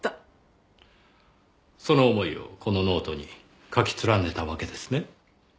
その思いをこのノートに書き連ねたわけですね。